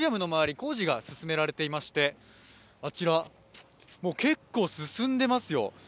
工事が進められていましてあちら結構進んでますよ。